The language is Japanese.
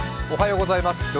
おはようございます。